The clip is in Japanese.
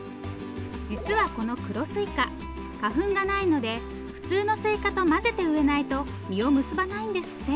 実はこの黒すいか花粉がないので普通のすいかと混ぜて植えないと実を結ばないんですって。